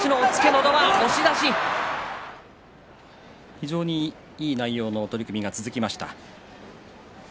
非常にいい内容の取組が続きました。